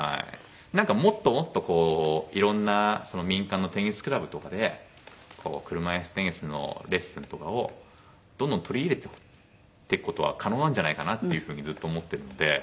なんかもっともっとこういろんな民間のテニスクラブとかで車いすテニスのレッスンとかをどんどん取り入れていくって事は可能なんじゃないかなっていう風にずっと思ってるので。